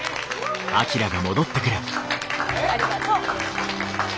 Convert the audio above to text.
ありがとう。